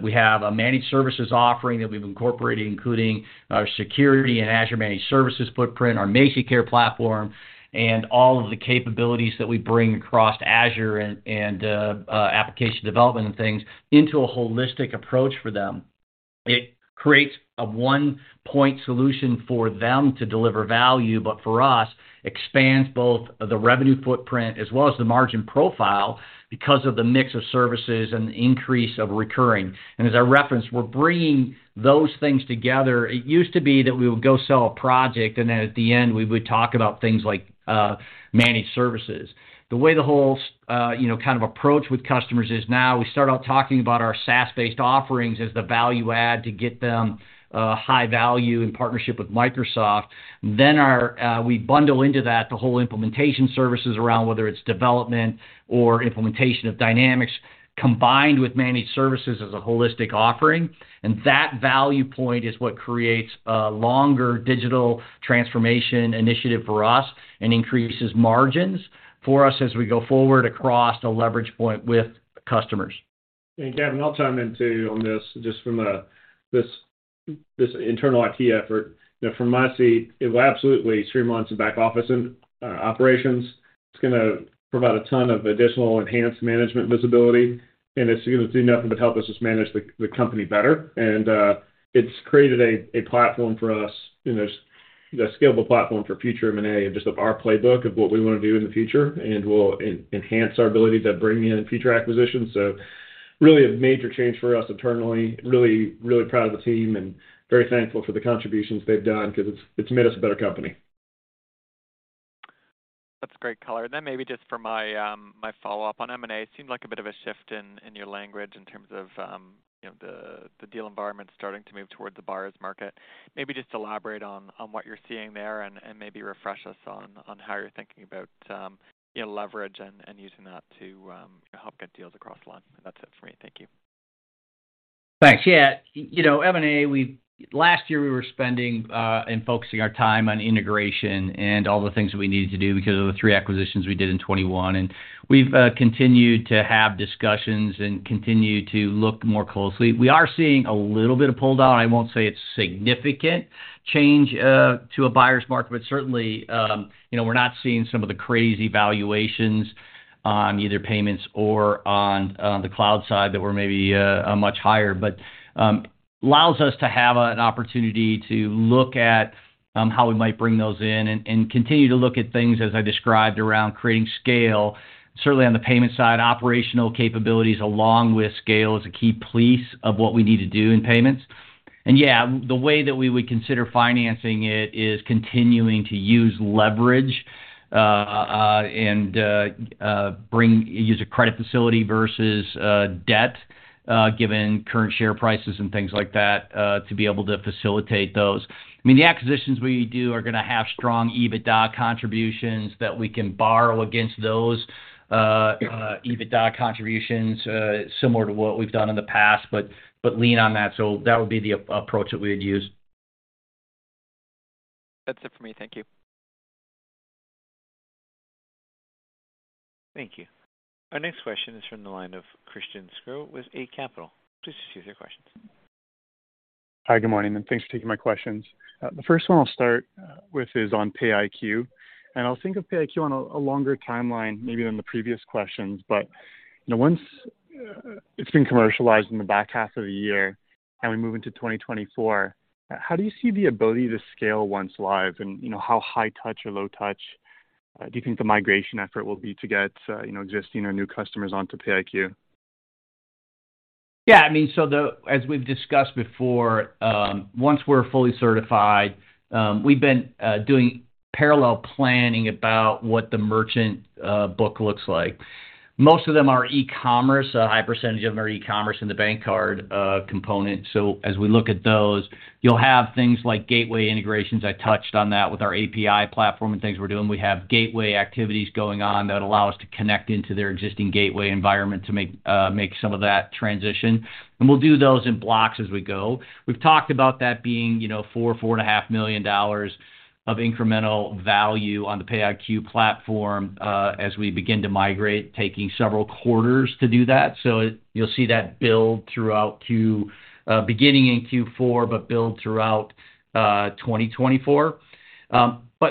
[SPEAKER 2] We have a managed services offering that we've incorporated, including our security and Azure managed services footprint, our MazikCare platform, and all of the capabilities that we bring across Azure and application development and things into a holistic approach for them. It creates a one-point solution for them to deliver value, but for us expands both the revenue footprint as well as the margin profile because of the mix of services and the increase of recurring. As I referenced, we're bringing those things together. It used to be that we would go sell a project. At the end we would talk about things like managed services. The way the whole, you know, kind of approach with customers is now we start out talking about our SaaS-based offerings as the value add to get them high value in partnership with Microsoft. Our, we bundle into that the whole implementation services around whether it's development or implementation of Dynamics, combined with managed services as a holistic offering. That value point is what creates a longer digital transformation initiative for us and increases margins for us as we go forward across the leverage point with customers.
[SPEAKER 3] Gavin, I'll chime in too on this, just from this internal IT effort. You know, from my seat, it will absolutely streamline some back office and operations. It's gonna provide a ton of additional enhanced management visibility, and it's gonna do nothing but help us just manage the company better. It's created a platform for us, and there's a scalable platform for future M&A and just of our playbook of what we wanna do in the future. Will enhance our ability to bring in future acquisitions. Really a major change for us internally. Really proud of the team and very thankful for the contributions they've done because it's made us a better company.
[SPEAKER 7] That's a great color. Maybe just for my follow-up on M&A, it seemed like a bit of a shift in your language in terms of, you know, the deal environment starting to move towards the buyer's market. Maybe just elaborate on what you're seeing there and maybe refresh us on how you're thinking about, you know, leverage and using that to, help get deals across the line. That's it for me. Thank you.
[SPEAKER 2] Thanks. Yeah. You know, M&A, last year we were spending and focusing our time on integration and all the things that we needed to do because of the three acquisitions we did in 2021. We've continued to have discussions and continue to look more closely. We are seeing a little bit of pull-down. I won't say it's significant change to a buyer's market, but certainly, you know, we're not seeing some of the crazy valuations on either payments or on the cloud side that were maybe much higher. Allows us to have an opportunity to look at how we might bring those in and continue to look at things as I described around creating scale. Certainly on the payment side, operational capabilities along with scale is a key piece of what we need to do in payments. Yeah, the way that we would consider financing it is continuing to use leverage, and use a credit facility versus debt, given current share prices and things like that, to be able to facilitate those. I mean, the acquisitions we do are gonna have strong EBITDA contributions that we can borrow against those EBITDA contributions, similar to what we've done in the past, but lean on that. That would be the approach that we would use.
[SPEAKER 7] That's it for me. Thank you.
[SPEAKER 1] Thank you. Our next question is from the line of Christian Sgro with Eight Capital. Please proceed with your questions.
[SPEAKER 8] Hi, good morning, thanks for taking my questions. The first one I'll start with is on PayiQ. I'll think of PayiQ on a longer timeline maybe than the previous questions. You know, once it's been commercialized in the back half of the year and we move into 2024, how do you see the ability to scale once live? You know, how high touch or low touch do you think the migration effort will be to get, you know, existing or new customers onto PayiQ?
[SPEAKER 2] Yeah, I mean, as we've discussed before, once we're fully certified, we've been doing parallel planning about what the merchant book looks like. Most of them are e-commerce. A high percentage of them are e-commerce in the BankCard component. As we look at those, you'll have things like gateway integrations. I touched on that with our API platform and things we're doing. We have gateway activities going on that allow us to connect into their existing gateway environment to make some of that transition. We'll do those in blocks as we go. We've talked about that being, you know, $4 and a half million of incremental value on the PayiQ platform as we begin to migrate, taking several quarters to do that. You'll see that build throughout beginning in Q4, but build throughout 2024.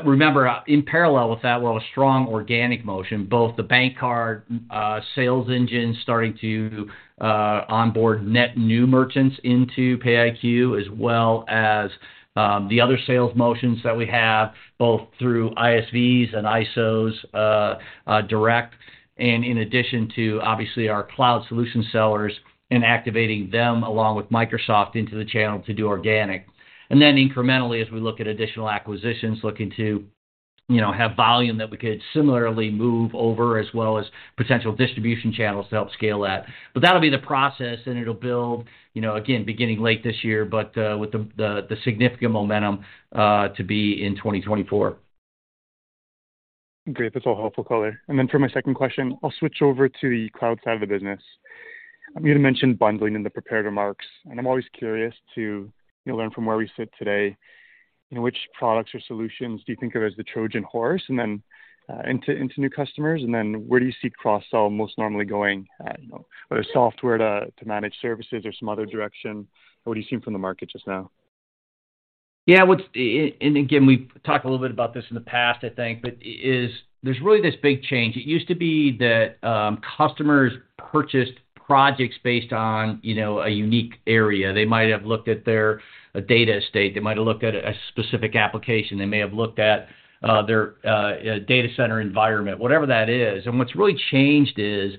[SPEAKER 2] Remember, in parallel with that, we'll have strong organic motion, both the BankCard sales engine starting to onboard net new merchants into PayiQ, as well as the other sales motions that we have both through ISVs and ISOs direct and in addition to, obviously, our cloud solution sellers and activating them along with Microsoft into the channel to do organic. Incrementally, as we look at additional acquisitions, looking to, you know, have volume that we could similarly move over, as well as potential distribution channels to help scale that. That'll be the process, and it'll build, you know, again, beginning late this year, but with the significant momentum to be in 2024.
[SPEAKER 8] Great. That's all helpful color. For my second question, I'll switch over to the cloud side of the business. You mentioned bundling in the prepared remarks. I'm always curious to learn from where we sit today, which products or solutions do you think of as the Trojan horse into new customers? Where do you see cross-sell most normally going at, you know, whether software to managed services or some other direction? What are you seeing from the market just now?
[SPEAKER 2] Yeah. Again, we've talked a little bit about this in the past, I think, but there's really this big change. It used to be that customers purchased projects based on, you know, a unique area. They might have looked at their data estate, they might have looked at a specific application, they may have looked at their data center environment, whatever that is. What's really changed is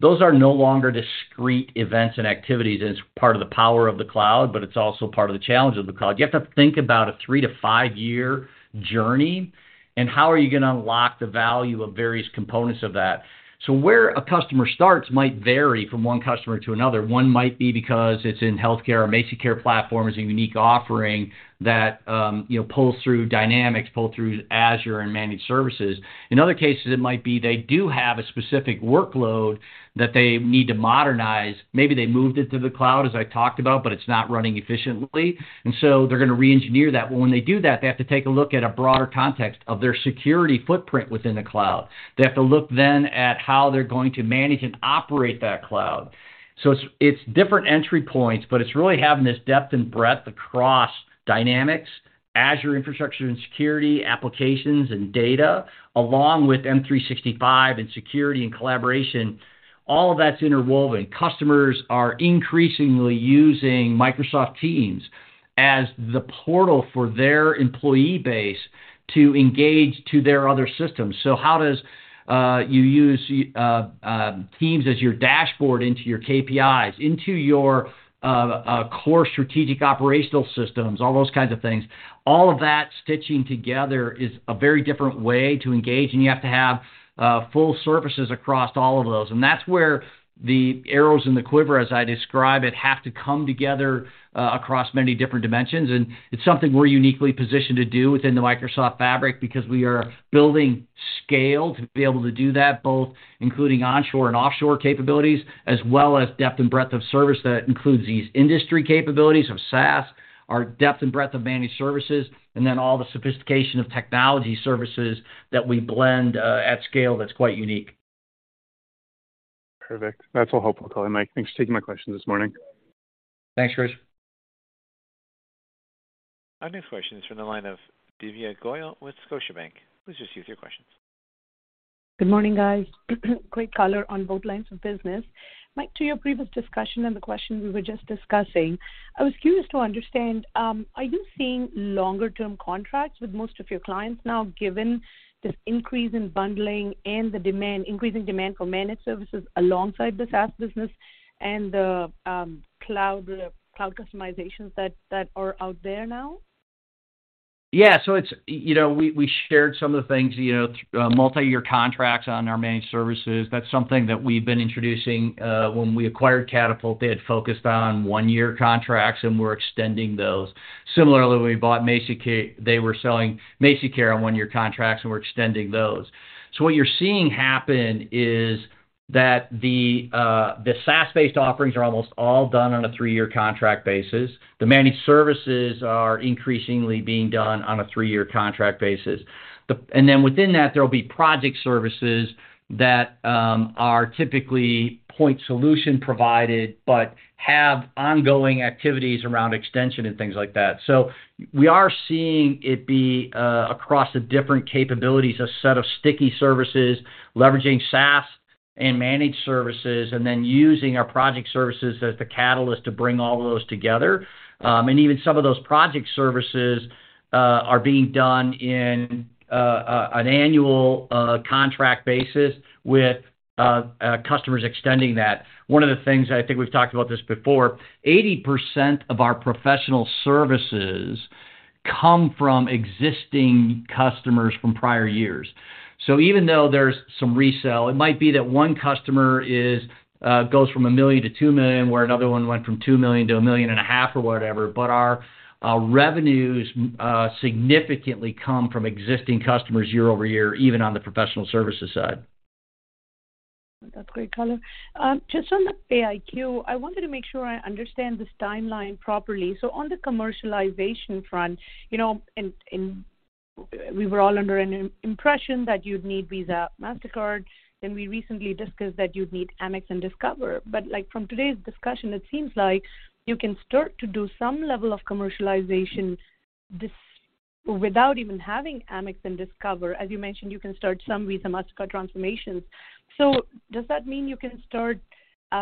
[SPEAKER 2] those are no longer discrete events and activities, and it's part of the power of the cloud, but it's also part of the challenge of the cloud. You have to think about a three to five-year journey and how are you going to unlock the value of various components of that. Where a customer starts might vary from one customer to another. One might be because it's in healthcare. A MazikCare platform is a unique offering that, you know, pulls through Dynamics, pull through Azure and managed services. In other cases, it might be they do have a specific workload that they need to modernize. Maybe they moved it to the cloud, as I talked about, but it's not running efficiently, they're going to re-engineer that. When they do that, they have to take a look at a broader context of their security footprint within the cloud. They have to look then at how they're going to manage and operate that cloud. It's, it's different entry points, but it's really having this depth and breadth across Dynamics, Azure infrastructure and security applications and data, along with M365 and security and collaboration. All of that's interwoven. Customers are increasingly using Microsoft Teams as the portal for their employee base to engage to their other systems. How does you use Teams as your dashboard into your KPIs, into your core strategic operational systems, all those kinds of things. All of that stitching together is a very different way to engage, and you have to have full services across all of those. That's where the arrows in the quiver, as I describe it, have to come together across many different dimensions. It's something we're uniquely positioned to do within the Microsoft fabric because we are building scale to be able to do that, both including onshore and offshore capabilities, as well as depth and breadth of service. That includes these industry capabilities of SaaS, our depth and breadth of managed services, and then all the sophistication of technology services that we blend at scale that's quite unique.
[SPEAKER 8] Perfect. That's all helpful color, Mike. Thanks for taking my questions this morning.
[SPEAKER 2] Thanks, Chris.
[SPEAKER 1] Our next question is from the line of Divya Goyal with Scotiabank. Please proceed with your questions.
[SPEAKER 9] Good morning, guys. Great color on both lines of business. Mike, to your previous discussion and the question we were just discussing, I was curious to understand, are you seeing longer term contracts with most of your clients now, given this increase in bundling and the demand, increasing demand for managed services alongside the SaaS business and the cloud customizations that are out there now?
[SPEAKER 2] You know, we shared some of the things, you know, multi-year contracts on our managed services. That's something that we've been introducing. When we acquired Catapult, they had focused on 1-year contracts, and we're extending those. Similarly, when we bought MazikCare, they were selling MazikCare on 1-year contracts, and we're extending those. What you're seeing happen is that the SaaS-based offerings are almost all done on a 3-year contract basis. The managed services are increasingly being done on a 3-year contract basis. Then within that, there will be project services that are typically point solution provided but have ongoing activities around extension and things like that. We are seeing it be across the different capabilities, a set of sticky services, leveraging SaaS and managed services, and then using our project services as the catalyst to bring all those together. Even some of those project services are being done in an annual contract basis with customers extending that. One of the things, I think we've talked about this before, 80% of our professional services come from existing customers from prior years. Even though there's some resell, it might be that one customer goes from $1 million to $2 million, where another one went from $2 million to a million and a half or whatever. Our revenues significantly come from existing customers year-over-year, even on the professional services side.
[SPEAKER 9] That's great, Cullen. Just on the PayiQ, I wanted to make sure I understand this timeline properly. On the commercialization front, you know, we were all under an impression that you'd need Visa, Mastercard, then we recently discussed that you'd need Amex and Discover. Like, from today's discussion, it seems like you can start to do some level of commercialization without even having Amex and Discover. As you mentioned, you can start some Visa, Mastercard transformations. Does that mean you can start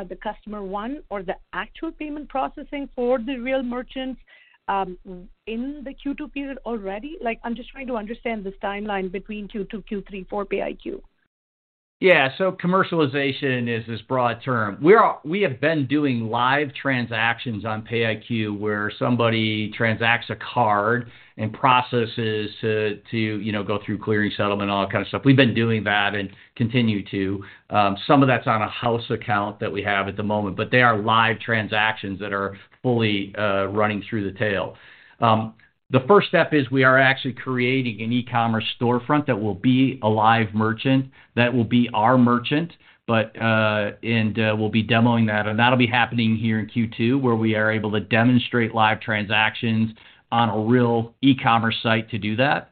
[SPEAKER 9] the customer one or the actual payment processing for the real merchants in the Q2 period already? Like, I'm just trying to understand this timeline between Q2, Q3 for PayiQ.
[SPEAKER 2] Commercialization is this broad term. We have been doing live transactions on PayiQ, where somebody transacts a card and processes to, you know, go through clearing, settlement, all that kind of stuff. We've been doing that and continue to. Some of that's on a house account that we have at the moment, but they are live transactions that are fully running through the tail. The first step is we are actually creating an e-commerce storefront that will be a live merchant, that will be our merchant. We'll be demoing that, and that'll be happening here in Q2, where we are able to demonstrate live transactions on a real e-commerce site to do that.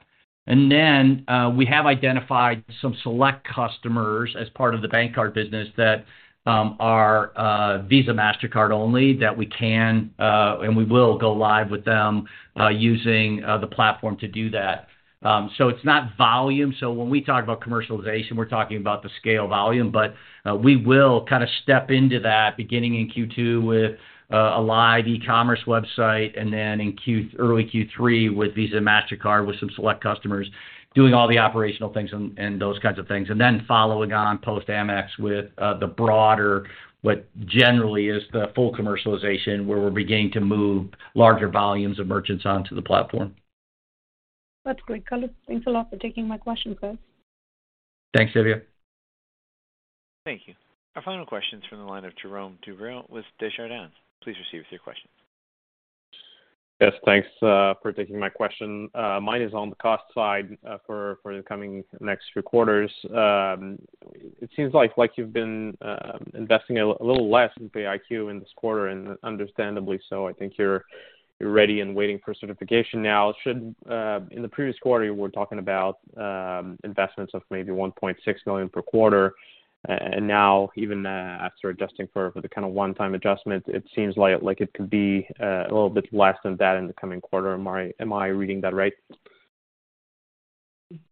[SPEAKER 2] We have identified some select customers as part of the BankCard business that are Visa, Mastercard only that we can and we will go live with them using the platform to do that. It's not volume. When we talk about commercialization, we're talking about the scale volume, but we will kinda step into that beginning in Q2 with a live e-commerce website and then early Q3 with Visa, Mastercard with some select customers doing all the operational things and those kinds of things. Following on post Amex with the broader what generally is the full commercialization, where we're beginning to move larger volumes of merchants onto the platform.
[SPEAKER 9] That's great, Color. Thanks a lot for taking my question, sir.
[SPEAKER 2] Thanks, Divya.
[SPEAKER 1] Thank you. Our final question's from the line of Jerome Dubreuil with Desjardins. Please receive with your question.
[SPEAKER 10] Yes. Thanks for taking my question. Mine is on the cost side for the coming next few quarters. It seems like you've been investing a little less in PayiQ in this quarter and understandably so. I think you're ready and waiting for certification now. Should in the previous quarter, you were talking about investments of maybe $1.6 million per quarter. Now even after adjusting for the kind of one-time adjustment, it seems like it could be a little bit less than that in the coming quarter. Am I reading that right?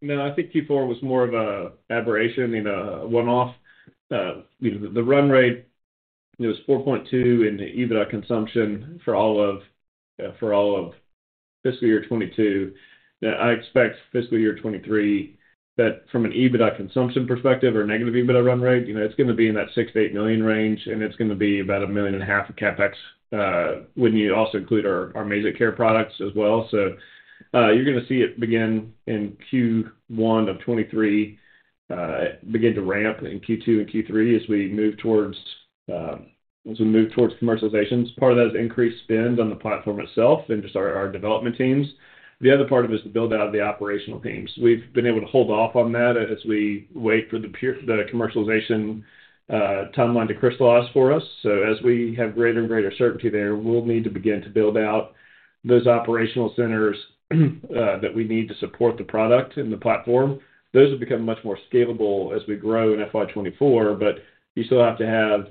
[SPEAKER 3] No. I think Q4 was more of a aberration, you know, one-off. You know, the run rate, you know, is $4.2 in the EBITDA consumption for all of fiscal year 2022. I expect fiscal year 2023 that from an EBITDA consumption perspective or negative EBITDA run rate, you know, it's gonna be in that $6 million-$8 million range, and it's gonna be about $1.5 million of CapEx when you also include our MazikCare products as well. You're gonna see it begin in Q1 of 2023, begin to ramp in Q2 and Q3 as we move towards commercialization. Part of that is increased spend on the platform itself and just our development teams. The other part of it is to build out the operational teams. We've been able to hold off on that as we wait for the commercialization timeline to crystallize for us. As we have greater and greater certainty there, we'll need to begin to build out those operational centers that we need to support the product and the platform. Those will become much more scalable as we grow in FY 2024, but you still have to have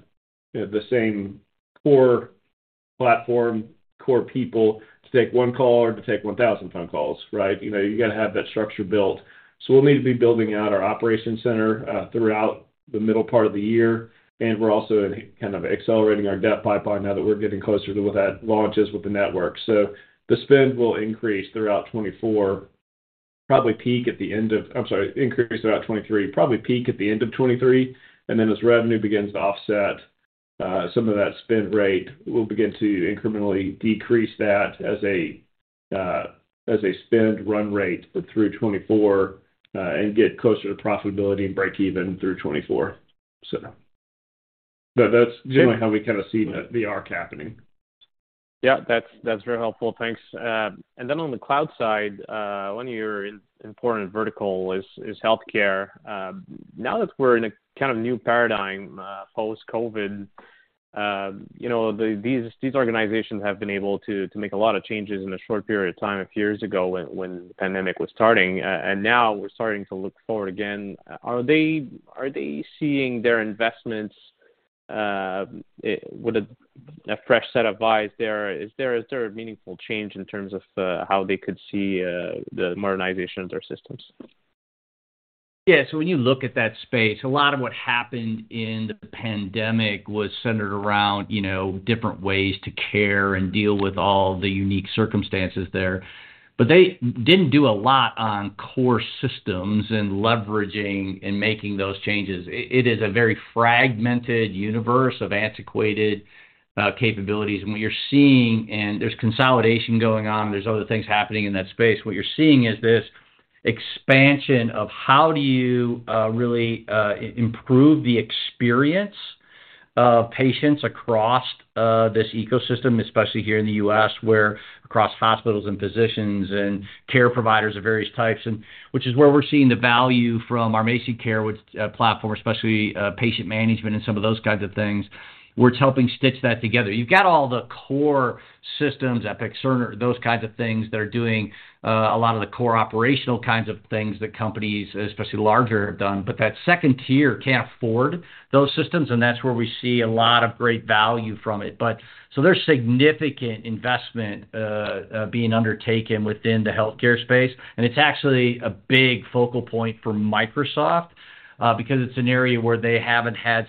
[SPEAKER 3] the same core platform, core people to take 1 call or to take 1,000 phone calls, right? You know, you gotta have that structure built. We'll need to be building out our operations center throughout the middle part of the year. We're also kind of accelerating our debt pipeline now that we're getting closer to what that launch is with the network. The spend will increase throughout 2024, probably peak at the end of... I'm sorry, increase throughout 2023, probably peak at the end of 2023. As revenue begins to offset, some of that spend rate, we'll begin to incrementally decrease that as a, as a spend run rate through 2024, and get closer to profitability and breakeven through 2024. That's generally how we kinda see the arc happening.
[SPEAKER 10] Yeah, that's very helpful. Thanks. Then on the cloud side, one of your important vertical is healthcare. Now that we're in a kind of new paradigm, post-COVID, you know, these organizations have been able to make a lot of changes in a short period of time a few years ago when the pandemic was starting. Now we're starting to look forward again. Are they seeing their investments with a fresh set of eyes there? Is there a meaningful change in terms of how they could see the modernization of their systems?
[SPEAKER 2] Yeah. When you look at that space, a lot of what happened in the pandemic was centered around, you know, different ways to care and deal with all the unique circumstances there. They didn't do a lot on core systems and leveraging and making those changes. It is a very fragmented universe of antiquated capabilities. What you're seeing, and there's consolidation going on, there's other things happening in that space. What you're seeing is this expansion of how do you really improve the experience of patients across this ecosystem, especially here in the US where across hospitals and physicians and care providers of various types and which is where we're seeing the value from our MazikCare with platform, especially patient management and some of those kinds of things, where it's helping stitch that together. You've got all the core systems, Epic, Cerner, those kinds of things that are doing a lot of the core operational kinds of things that companies, especially larger, have done. That second tier can't afford those systems, and that's where we see a lot of great value from it. There's significant investment being undertaken within the healthcare space, and it's actually a big focal point for Microsoft because it's an area where they haven't had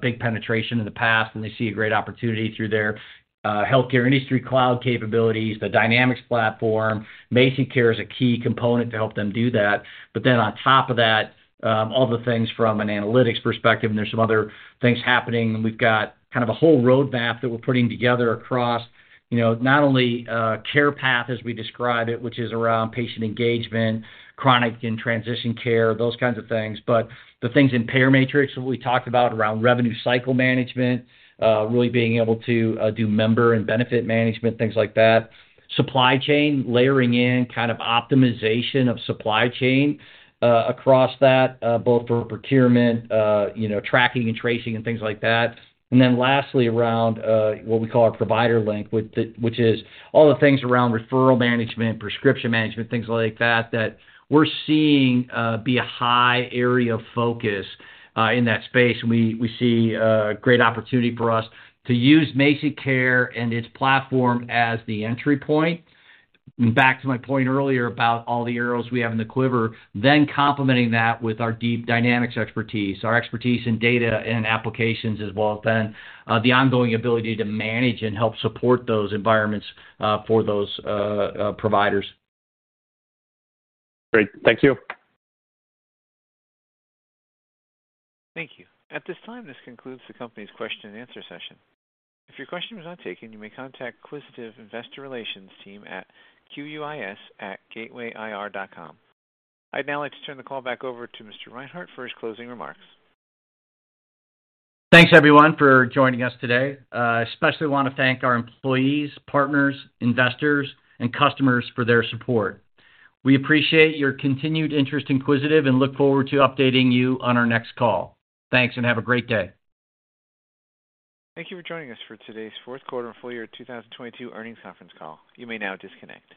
[SPEAKER 2] big penetration in the past, and they see a great opportunity through their healthcare industry cloud capabilities. The Dynamics platform, MazikCare is a key component to help them do that. On top of that, all the things from an analytics perspective, and there's some other things happening, and we've got kind of a whole roadmap that we're putting together across, you know, not only a CarePath as we describe it, which is around patient engagement, chronic and transition care, those kinds of things. The things in PayerMatrix that we talked about around revenue cycle management, really being able to do member and benefit management, things like that. Supply chain, layering in kind of optimization of supply chain across that, both for procurement, you know, tracking and tracing and things like that. Lastly, around what we call our ProviderLink, which is all the things around referral management, prescription management, things like that we're seeing be a high area of focus in that space. We see a great opportunity for us to use MazikCare and its platform as the entry point. Back to my point earlier about all the arrows we have in the quiver, then complementing that with our deep Dynamics expertise, our expertise in data and applications as well, then the ongoing ability to manage and help support those environments for those providers.
[SPEAKER 10] Great. Thank you.
[SPEAKER 1] Thank you. At this time, this concludes the company's question and answer session. If your question was not taken, you may contact Quisitive Investor Relations team at quis@gatewayir.com. I'd now like to turn the call back over to Mr. Reinhart for his closing remarks.
[SPEAKER 2] Thanks everyone for joining us today. Especially wanna thank our employees, partners, investors, and customers for their support. We appreciate your continued interest in Quisitive, and look forward to updating you on our next call. Thanks and have a great day.
[SPEAKER 1] Thank you for joining us for today's fourth quarter and full year 2022 earnings conference call. You may now disconnect.